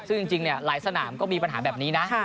ซึ่งจริงหลายสนามก็มีปัญหาแบบนี้นะ